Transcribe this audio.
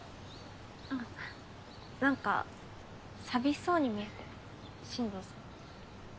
あっ何か寂しそうに見えて進藤さん。